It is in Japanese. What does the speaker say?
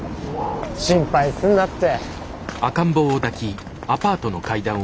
心配すんなって。